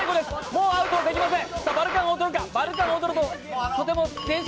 もうアウトできません。